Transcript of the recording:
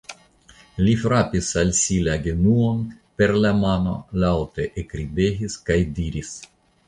Li frapis al si la genuon per la mano, laŭte ekridegis kaj diris.